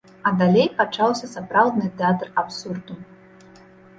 А далей пачаўся сапраўдны тэатр абсурду.